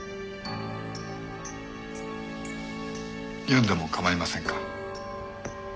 読んでも構いませんか？